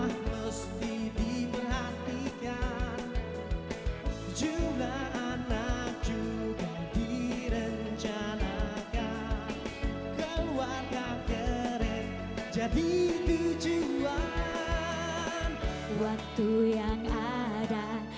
hidup berencana itu keren